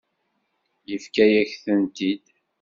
Yefka-yak-tent-id.